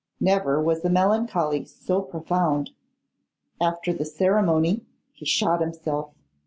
Never was a melancholy so profound. After the ceremony he shot himself.